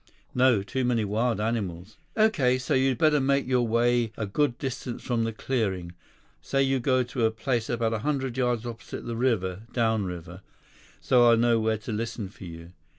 "No, too many wild animals." "Okay. So, you'd better make your way a good distance from the clearing. Say you go to a place about a hundred yards opposite the river—downriver—so I'll know where to listen for you.